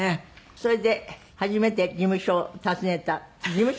それで初めて事務所を訪ねた事務所？